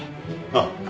ああ。